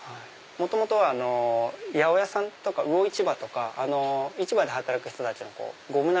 元々は八百屋さんとか魚市場とか市場で働く人たちのゴム長です。